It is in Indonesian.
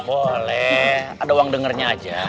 boleh ada uang dengernya aja